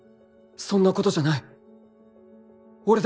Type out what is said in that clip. そんなことじゃない